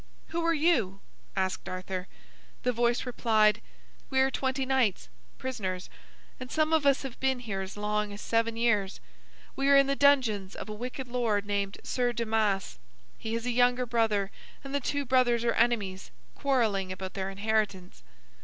"Who are you?" asked Arthur. The voice replied: "We are twenty knights, prisoners, and some of us have been here as long as seven years. We are in the dungeons of a wicked lord named Sir Damas. He has a younger brother, and the two brothers are enemies, quarreling about their inheritance.